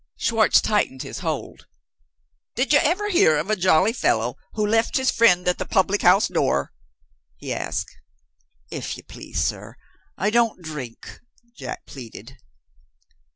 Schwartz tightened his hold. "Did you ever hear of a jolly fellow, who left his friend at the public house door?" he asked. "If you please, sir, I don't drink," Jack pleaded.